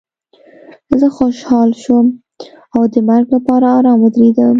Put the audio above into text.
زه خوشحاله شوم او د مرګ لپاره ارام ودرېدم